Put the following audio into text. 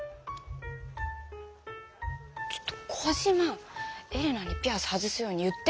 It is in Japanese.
ちょっとコジマエレナにピアス外すように言って！